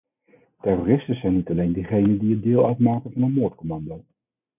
Terroristen zijn niet alleen diegenen die deel uitmaken van een moordcommando.